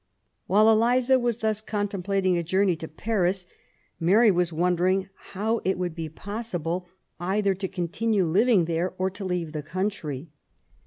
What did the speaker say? While Eliza was thus contemplating a journey to Paris, Mary was wondering how it would be possible either VISIT TO PAEI8. 117 to continue living there or to leave the country.